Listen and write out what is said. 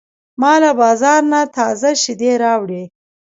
ما له بازار نه تازه شیدې راوړې.